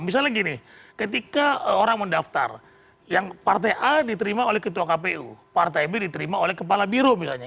misalnya gini ketika orang mendaftar yang partai a diterima oleh ketua kpu partai b diterima oleh kepala biro misalnya